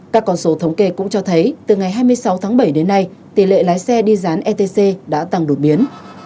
các con số thống kê cũng cho thấy từ ngày hai mươi sáu tháng bảy đến nay tỷ lệ lái xe đi dán etc đã tăng đột biến